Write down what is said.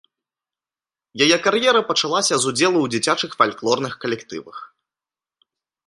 Яе кар'ера пачалася з удзелу ў дзіцячых фальклорных калектывах.